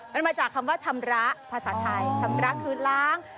มันมาจากคำว่าชำระภาษาไทยชำระคือล้าง